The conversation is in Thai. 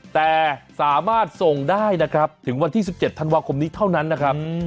แต่สามารถส่งได้นะครับถึงวันที่๑๗ธันวาคมนี้เท่านั้นนะครับ